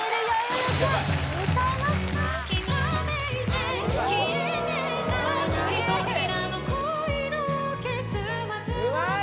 ・うまい！